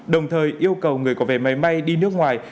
đồng thời yêu cầu người có vé máy bay đi nước ngoài